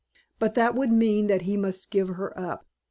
But that would mean that he must give her up.